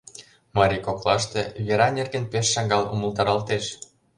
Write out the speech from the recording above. Марий коклаште вера нерген пеш шагал умылтаралтеш.